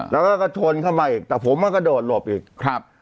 แล้วก็ก็ชนเข้ามาอีกแต่ผมมากระโดดหลบอีกครับ